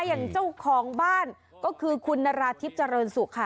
อย่างเจ้าของบ้านก็คือคุณนราธิบเจริญสุขค่ะ